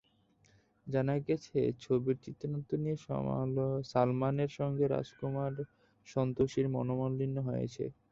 জানা গেছে, ছবির চিত্রনাট্য নিয়ে সালমানের সঙ্গে রাজকুমার সন্তোষীর মনোমালিন্য হয়েছে।